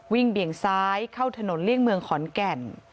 เบี่ยงซ้ายเข้าถนนเลี่ยงเมืองขอนแก่น